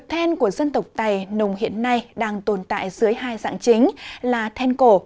nghệ thuật then của dân tộc tài nồng hiện nay đang tồn tại dưới hai dạng chính là then cổ